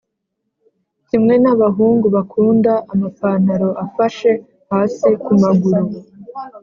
Kimwe nabahungu bakunda amapantaro afashe hasi kumaguru